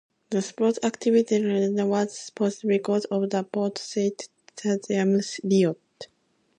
The sports activity in Egypt was postponed because of the Port Said Stadium riot.